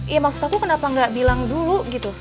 ya maksud aku kenapa gak bilang dulu gitu